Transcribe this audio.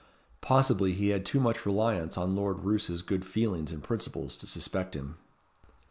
Possibly he had too much reliance on Lord Roos's good feelings and principles to suspect him.